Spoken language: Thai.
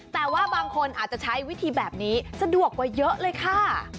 แต่ว่าบางคนอาจจะใช้วิธีแบบนี้สะดวกกว่าเยอะเลยค่ะ